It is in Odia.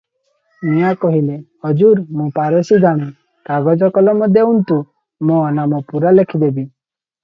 ମିଆଁ କହିଲେ, "ହଜୁର, ମୁଁ ପାରସି ଜାଣେ; କାଗଜ କଲମ ଦେଉନ୍ତୁ, ମୋ ନାମ ପୂରା ଲେଖିଦେବି ।